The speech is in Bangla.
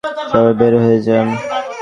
সবাই বের হয়ে যান।